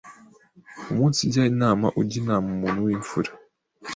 Umunsijya inama ujya inama Umuntu w’imfura